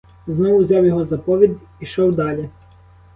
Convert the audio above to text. Знов узяв його за повід, пішов далі.